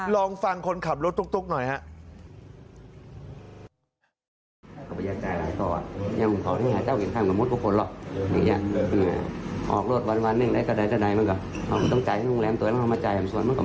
ลองฟังคนขับรถตุ๊กหน่อยครับ